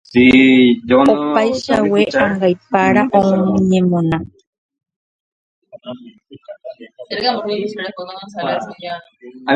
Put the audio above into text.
Opaichagua ãngaipáre oñemona.